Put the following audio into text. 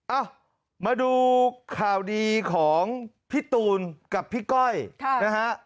เอ้ามาดูข่าวดีของพี่ตูนกับพี่ก้อยนะฮะ